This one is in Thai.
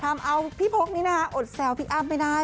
ทำเอาพี่พกนี้นะคะอดแซวพี่อ้ำไม่ได้